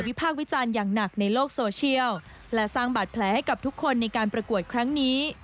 มีความบาดแผลให้กับทุกคนในการประกวดครั้งนี้